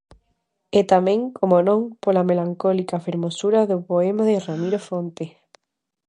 E tamén, como non, pola melancólica fermosura do poema de Ramiro Fonte.